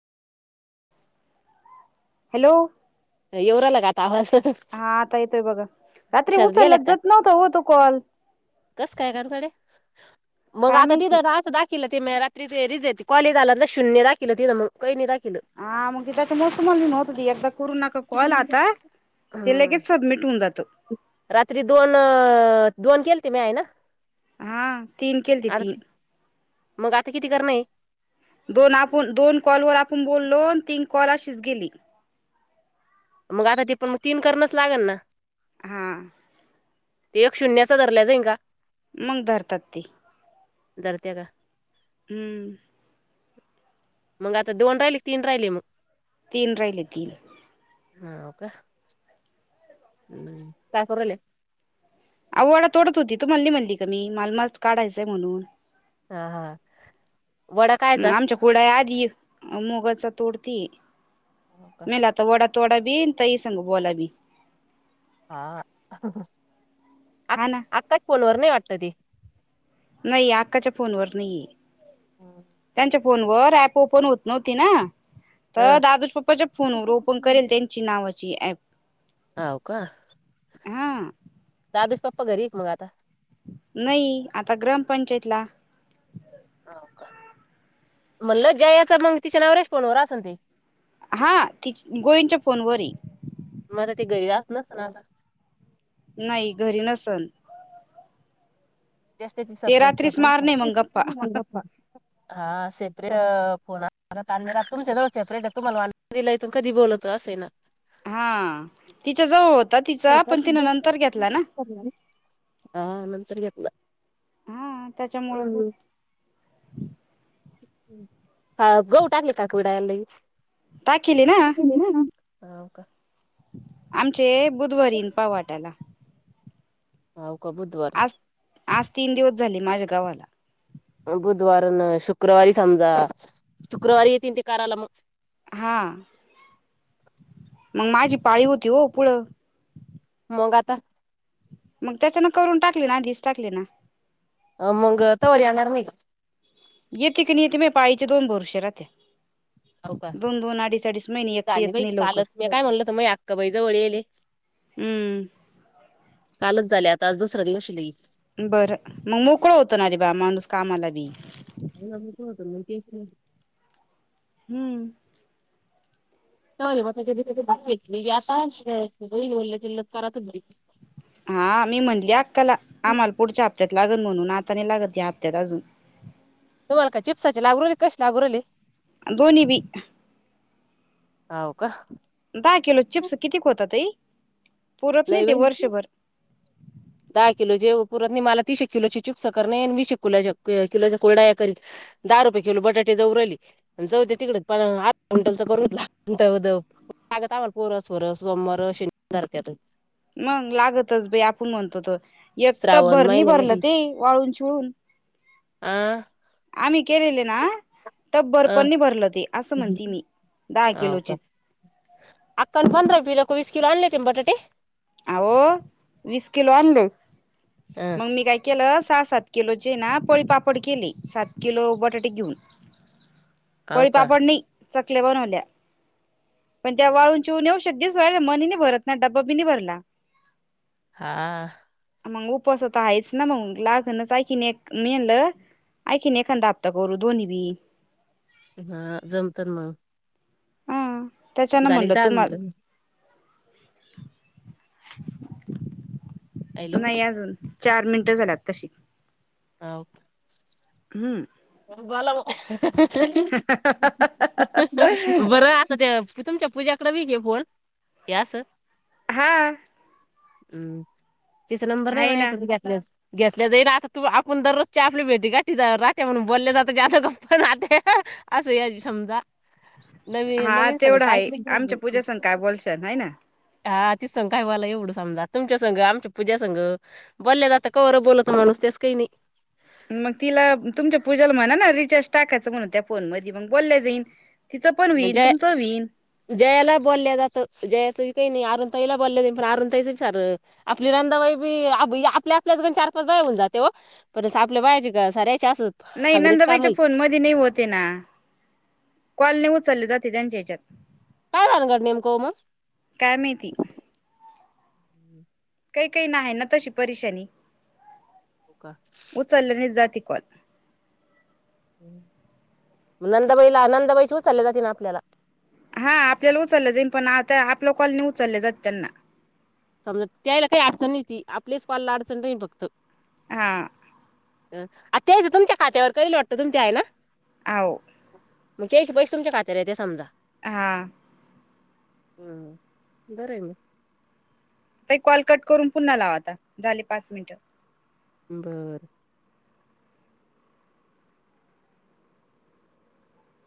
Hello येऊ राहिला का आता आवाज हा आता येतोय बघा रात्री शाळेत गेल्या उचलल्यात जात नव्हत होतो कॉल कस काय घराकडे मग काय आता तिथं माहिती [unintelligible] दा तिला रात्री कॉल आला शून्य दाखवलं काही नाही दाखवलं हा मग की त्याच्या [unintelligible] करू नका कॉल आता ते हम्म लगेच सबमिट होऊन जातं रात्री दोन दोन केलेते मी आई ना हा तीन केलते आर तीन मग आता किती करणं आहे दोन आपण दोन कॉल वर आपण बोललो तीन कॉल अशीच गेली मग आता ते पण मग तीन करावच लागेल ना हा ते एक शून्याचा धरल्या [unintelligible] मग धरतात ते धरत्या का हम्म मग आता दोन राहिले तीन राहिले मग तीन राहिले तीन हाव का ह काय करू राहिले आव वाडा तोडत होती तू मल्ली मल्ली कमी मालमस्त काढायचाय म्हणून हा हा वडा कायचा आमच्या खुड्या आधी मोगाचा तोडती हाव का मेला आता वडा तोडा बी अन् ताई संग बोला बी हा हहह हा ना आकाच फोनवर नाही वाटत ती नाही अक्काच्या फोनवर नाही त्यांच्या फोनवर ऍप ओपन होत नव्हती ना तर अ दादूज पप्पाच्या फोनवर ओपन करेल त्यांची नावाची ऍप हव का हा दादूचे पप्पा घरी येत मग आता नाही आता ग्रामपंचायतला हो का म्हणलं जयाचा मग तिच्या नवरे च्या फोनवर असं ते हा ति गोविंद च्या फोनवरही मला ते गरी असच [inaudible] नाही घरी नसन जास्त ते दिसत [inaudible] रात्रीच मारणे मग गप्पा हा सेपरेट फोन परत आण तुमच्या जवळ सेपरेट आहे तुम्हाला [inaudible] दिलय तू कधी बोलतो असे ना हा तिच्या जवळ होता तिचा पण तिन नंतर घेतला ना [inaudible] हा नंतर घेतला हा त्याच्यामुळं हा गहू टाकले का टाकेली ना [inaudible] होव का आमचे हे बुधवारी इन पावट आला आ [inaudible] आज आज तीन दिवस झाले माझ्या गावाला बुधवारी, शुक्रवारी समजा शुक्रवारी येतील ते कारायला मग. हां, मगं माझी पाळी होती हो पुढं मंग आता? मग त्याचानं करून टाकले ना, आधीस टाकले ना. अ मंग तवर येणार नहो का? येते की, नाही येत माझ्या पाळीचे दोन भरोशे राहत्या. हो का? दोन दोन अडीच अडीच महिने एक तर झाले येत बाई नाही लवकर कालच, मी काय म्हणल ते मी अक्काबाई जवळ येलं ये. हम्म, कालच झाले आता, आज दुसरा दिवशे लैई बरं, मगं मोकळं होतं ना रे बा माणूस कामाला बी. हो ना मोकळं होतं म तेच नी हम्म, चचा म त्याच्या त्या बा घेतली अस किल्लत करतच बरी [unintelligible] हा मी म्हटली अक्काला आम्हाला पुढच्या हप्त्यात लागल म्हणून, आता नाही लागतं ह्या हप्त्यात अजून. तुम्हाला काय चिप्साचे लागु राहिले, का कशे लागु राहिले? दोन्ही बी. हाव का? दहा किलोत चिप्स कितीक होता ताई? पुरत नाही लैई ते होईल. वर्षभर दहा किलो चे पुरंत नही मला तीश एक किलोची चिप्स करनं ये, आणि वीस एक किलोचा कुरडया करीण. दहा रुपये किलो बटाटे जाऊ राहिले. अन् जाऊदे तिकडेच पण आठ क्विंटलच करू म्हटला दवदव [unintelligible] लागंत आम्हाला पोरं, सोरं सोमवारं शनिवारं अ धरत्या त. मंग लागतच बाई आपण म्हणतो त, एक श्रावण टपभर नही भरलं महिन्यामध्ये ते वाळून चिळून. आं, आम्ही केलेले ना टपभर आ पण नाही भरलं ते, असं म्हणती हाव मी दहा किलोचेच. अक्का नं पंधरा किलो क वीस किलो आणले होते बटाटे? आओ वीस किलो आणले, अ मग मी काय केलं सहा, सात किलोचे ना पळी पापड केले, सात किलो बटाटे घेऊन. [inaudible] पळी का पापड नाही चकल्या बनवल्या, पण त्या वाळून चिळून येवश् एवढ्याशा दिसु राहिल्या मन ही नाही भरत ना, डबा बी नही भरला. हा, मगं उपास तर आहेच ना मगं लागनच हाये की मी एक म्हणलं आयखिन एखानंदा हप्ता करू दोन्ही बी. हा जमतंन मंग. हा त्याच्यानं की म्हणलं दहा तुम्हाला मिनिटं हॅलो नाही अजून चार मिनटं झाले आत्ताशी. हा, हम्म, बलाव [unintelligible] बरं आता त्या तुमच्या पूज्याकडे बी घे फोन हे असं? हा. हम्म, तीचा नंबर नाही आहे माझ्याकडं ना तुम्ही घ्या. रोज घेतल्या जाई ना आता तू आपण दररोजच्या आपली भेटी गाठी जरा ते म्हणून बोलले तर जाते गप नाते असं एक समजा नवीन हा नवीन सगळं तेवढं काय आहे तरीच आमच्या झालय पूजा संग काय बोलशाल आहे ना हा ति संग काय मला एवढं समजा तुमच्या संग आमच्या पूजा संग. बोलले द आता कवरं बोलत माणूस तेस काही नाही. मग तिला तुमच्या पूजाला म्हणा ना रिचार्ज टाकायचं म्हणून त्या फोन मध्ये मग बोलल्या जाईन. तीच पण नाही होईल जय तुमचं होईल. जयाला बोलले असं जयाचंही काही नाही आरूणा ताईला बोलले आरूणा ताईच विचारल आपली नंदाबाई बी आपल्या आपल्यात पण चार पाच बाया होऊन जातो त्यादिवशी आपल्या बायांची का साऱ्यायचे असत. नाही नंदाबाईच्या फोन मध्ये नाही होते ना कॉल नाही उचलले जाते त्यांच्या ह्याच्यात. का लागला नाही मग काॅल मग काय माहिती. काही काही ना आहे ना तशी परीशानी. हो का उचलले नाही जात हे कॉल. नंदबाईला नंदबाई चा उचलले जाते ना आपल्याला. हा आपल्याला उचललं जाईन पण आता आपलं कॉल नाही उचलले जात त्यांना. त्यामुळं त्यायला काही अडचण नाही ती आपलेच कॉलला अडचण आहे फक्त. हा अ ते बी तुमच्या खात्यावर करीले वाटतं तुमच्या आहे ना. हाव म्हणजे त्येचे पैसे तुमच्या खात्यावर येते समदा हां ह बरं मग ताई कॉल कट करून पुन्हा लावा आता झाले पाच मिनिटं बरं